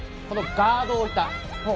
このガードを置いた。